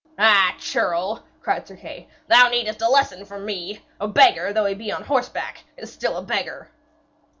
'Ah, churl!' cried Sir Kay, 'thou needst a lesson from me. A beggar, though he be on horseback, is still a beggar.'